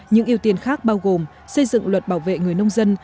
những ưu tiên khác bao gồm xây dựng luật bảo vệ người nông dân